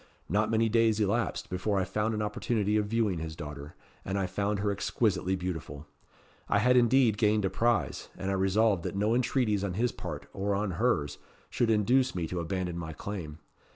Not many days elapsed before I found an opportunity of viewing his daughter, and I found her exquisitely beautiful. I had indeed gained a prize; and I resolved that no entreaties on his part, or on hers, should induce me to abandon my claim.